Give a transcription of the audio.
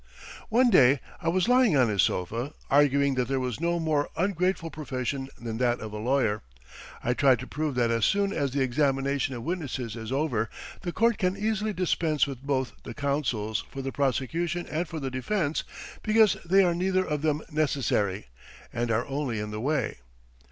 "One day I was lying on his sofa, arguing that there was no more ungrateful profession than that of a lawyer. I tried to prove that as soon as the examination of witnesses is over the court can easily dispense with both the counsels for the prosecution and for the defence, because they are neither of them necessary and are only in the way.